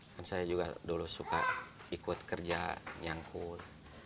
kan saya juga dulu suka ikut kerja nyangkut